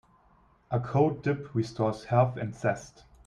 A cold dip restores health and zest.